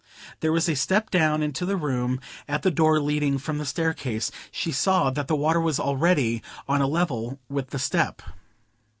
There was a step down into the room at the door leading from the staircase; she saw that the water was already on a level with the step.